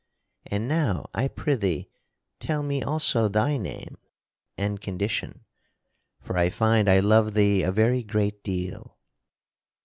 And now I prithee tell me also thy name and condition, for I find I love thee a very great deal."